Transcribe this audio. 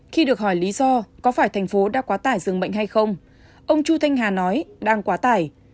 khi được hỏi lý do có phải thành phố đã quá tải dường bệnh hay không ông chu thanh hà nói đang quá tải